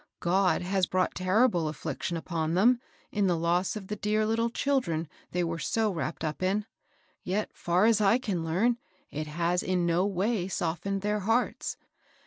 Ood has brought terrible affliction upon them, in the loss of the dear little children they were so wrapped up in ; yet, far as I can learn, it has in no way softened their hearts.